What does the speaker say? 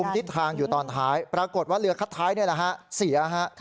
ทิศทางอยู่ตอนท้ายปรากฏว่าเรือคัดท้ายนี่แหละฮะเสียฮะ